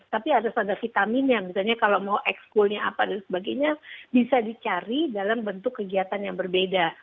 tapi harus ada vitaminnya misalnya kalau mau ekskulnya apa dan sebagainya bisa dicari dalam bentuk kegiatan yang berbeda